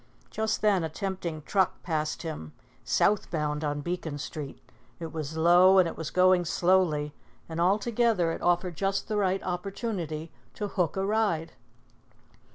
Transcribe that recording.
Just then a tempting truck passed him "south" bound on Beacon Street. It was low and it was going slowly, and altogether it offered just the right opportunity to "hook" a ride.